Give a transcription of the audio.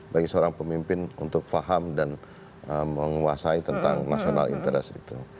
bagi seorang pemimpin untuk faham dan menguasai tentang nasional interest itu